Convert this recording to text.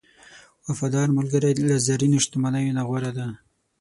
وفادار ملګری له زرینو شتمنیو نه غوره دی.